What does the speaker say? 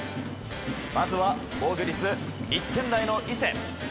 まずは、防御率１点台の伊勢。